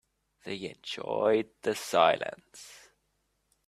They enjoyed the silence.